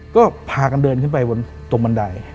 ก็พากันเดินขึ้นไปบนตรงบันได